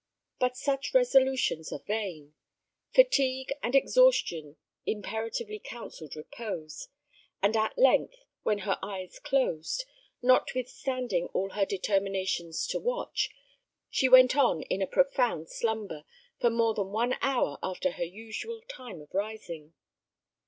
But such resolutions are vain. Fatigue and exhaustion imperatively counselled repose; and at length, when her eyes closed, notwithstanding all her determinations to watch, she went on in a profound slumber for more than one hour after her usual time of rising.